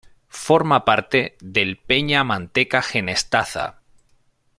Forma parte del Peña Manteca-Genestaza.